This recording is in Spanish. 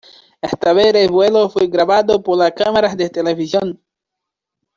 Esta vez el vuelo fue grabado por la cámaras de televisión.